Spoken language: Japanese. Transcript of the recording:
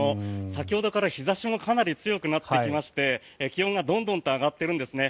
先ほどから日差しもかなり強くなってきまして気温がどんどんと上がっているんですね。